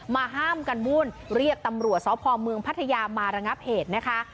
ห้ามกันวุ่นเรียกตำรวจสพเมืองพัทยามาระงับเหตุนะคะ